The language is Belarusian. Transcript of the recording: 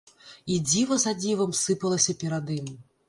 І дзіва за дзівам сыпалася перад ім.